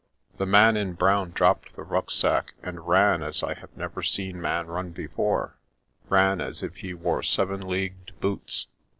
The man in brown dropped the rucksack, and ran as I have never seen man run before — ran as if he wore seven leagued boots.